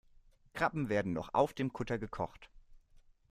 Krabben werden noch auf dem Kutter gekocht.